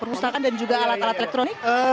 perpustakaan dan juga alat alat elektronik